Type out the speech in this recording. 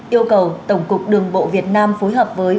yêu cầu tổng cục đường bộ việt nam phối hợp với